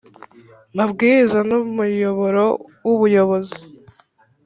mabwiriza n umuyoboro w ubuyobozi